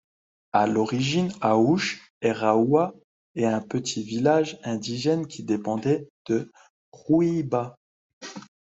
À l'origine Haouch Heraoua est un petit village indigène qui dépendait de Rouiba.